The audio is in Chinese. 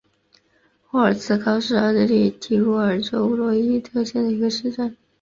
霍尔茨高是奥地利蒂罗尔州罗伊特县的一个市镇。